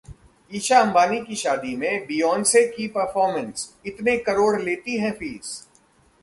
ईशा अंबानी की शादी में बियोंस की परफॉर्मेंस, इतने करोड़ लेती हैं फीस